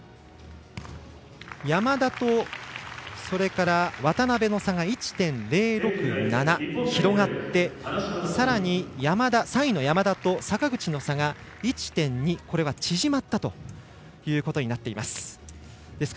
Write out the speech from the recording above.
山田と渡部の差が１．０６７広がって、さらに３位の山田と坂口の差が１．２縮まったということになっています。